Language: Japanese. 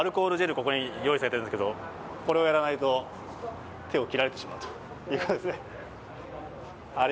ここに用意されたんだけど、これをやらないと、手を切られてしまうんですね。